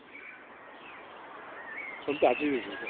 本当暑いですよね。